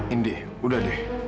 indi udah deh